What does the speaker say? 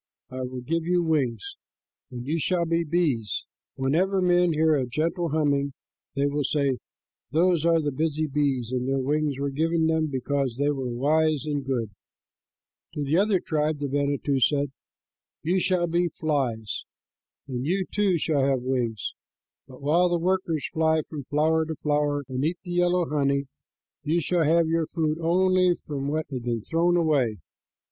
I will give you wings, and you shall be bees. Whenever men hear a gentle humming, they will say, 'Those are the busy bees, and their wings were given them because they were wise and good.'" To the other tribe the manito said, "You shall be flies, and you, too, shall have wings; but while the workers fly from flower to flower and eat the yellow honey, you shall have for your food only what has been thrown away.